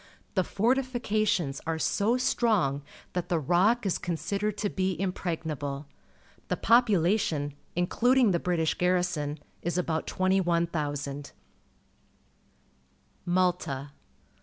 The fortifications are so strong that the Rock is considered to be impregnable. The population, including the British garrison, is about 21,000. Malta.